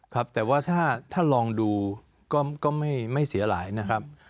ครับแต่ว่าถ้าลองดูก็ไม่เสียหายนะครับ